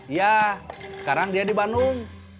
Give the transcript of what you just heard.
ya sekarang dia di bandung